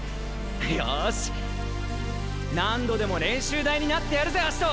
よし何度でも練習台になってやるぜアシト！